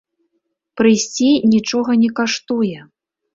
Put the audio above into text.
Прыйсці нічога не каштуе.